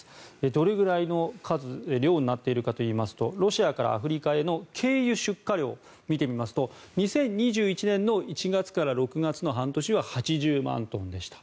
どれぐらいの量になっているかといいますとロシアからアフリカへの軽油出荷量を見てみますと２０２１年１月から６月の半年は８０万トンでした。